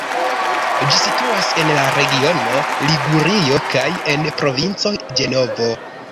Ĝi situas en la regiono Ligurio kaj en la provinco Ĝenovo.